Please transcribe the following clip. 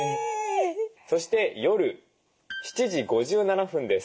そして夜７時５７分です。